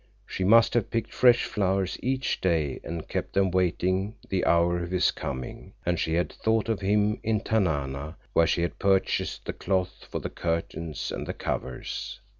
She must have picked fresh flowers each day and kept them waiting the hour of his coming, and she had thought of him in Tanana, where she had purchased the cloth for the curtains and the covers.